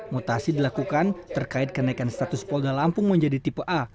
mutasi dilakukan terkait kenaikan status polda lampung menjadi tipe a